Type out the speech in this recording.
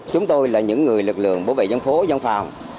chúng tôi là những người lực lượng bảo vệ dân phố dân phòng